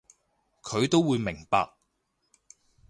佢都會明白